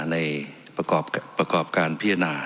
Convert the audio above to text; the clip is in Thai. ในประกอบการพิจารณา